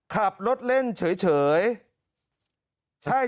ขับรถเล่นเฉย